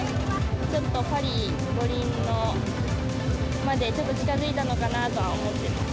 ちょっとパリ五輪までちょっと近づいたのかなとは思ってます。